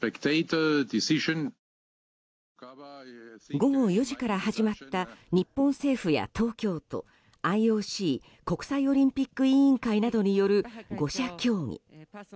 午後４時から始まった日本政府や東京都ＩＯＣ・国際オリンピック委員会などによる５者協議。